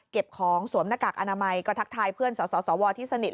ของสวมหน้ากากอนามัยก็ทักทายเพื่อนสสวที่สนิท